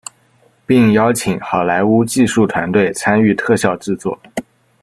并邀请好莱坞技术团队参与特效制作。